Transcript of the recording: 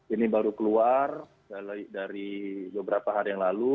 ini baru keluar dari beberapa hari yang lalu